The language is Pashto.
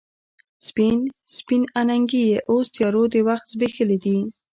سپین، سپین اننګي یې اوس تیارو د وخت زبیښلې دي